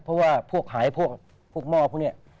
เพราะว่าพวกหายพวกหม้อพวกนี้